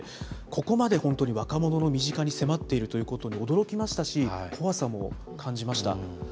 ここまで本当に若者の身近に迫っているということに驚きましたし、怖さも感じました。